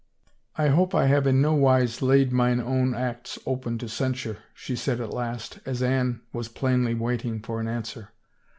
" I hope I have in no wise laid mine own acts open to censure," she said at last, as Anne was plainly waiting for an answer.